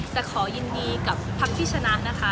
แต่ขอยินดีกับพักที่ชนะนะคะ